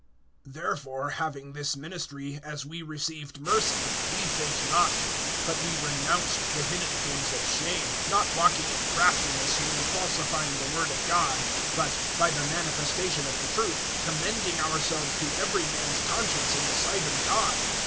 THEREFORE, having this ministry, as we received mercy, we faint not. (2)But we renounced the hidden things of shame, not walking in craftiness, nor falsifying the word of God; but, by the manifestation of the truth, commending ourselves to every man's conscience in the sight of God.